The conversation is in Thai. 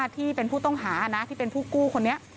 ที่เป็นผู้ต้องหาที่เป็นผู้กู้คนนี้